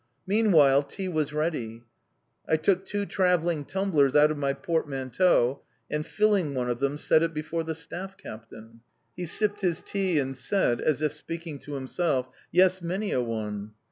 Meanwhile, tea was ready. I took two travelling tumblers out of my portmanteau, and, filling one of them, set it before the staff captain. He sipped his tea and said, as if speaking to himself, "Yes, many a one!"